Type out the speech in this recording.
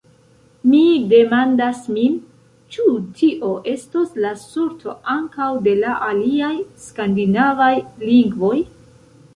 Mi demandas min, ĉu tio estos la sorto ankaŭ de la aliaj skandinavaj lingvoj.